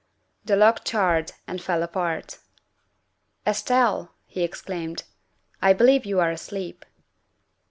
The log charred and fell apart. " Estelle," he exclaimed, " I believe you are asleep.'